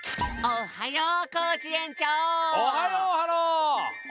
おはよう！